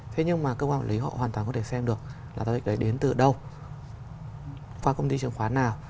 thế nhưng mà cơ quan quản lý họ hoàn toàn có thể xem được là giao dịch đấy đến từ đâu qua công ty chứng khoán nào